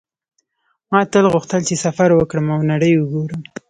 ما تل غوښتل چې سفر وکړم او نړۍ وګورم